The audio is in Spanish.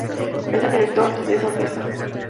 Él es el director de esa orquesta.